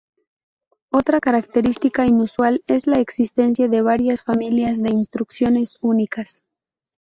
Otra característica inusual es la existencia de varias familias de instrucciones únicas.